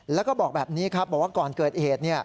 แล้วก็บอกแบบนี้ครับบอกว่าก่อนเกิดเหตุ